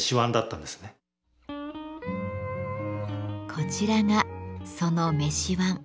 こちらがその飯椀。